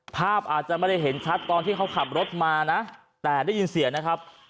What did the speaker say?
ภาพอาจจะไม่ได้เห็นชัดตอนที่เขาขับรถมานะแต่ได้ยินเสียงนะครับ